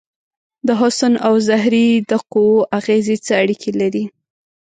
د حسن او زهرې د قوو اغیزې څه اړیکې لري؟